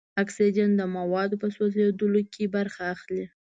اکسیجن د موادو په سوځیدلو کې برخه اخلي.